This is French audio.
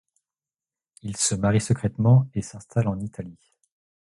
Ils se marient secrètement et s'installent en Italie.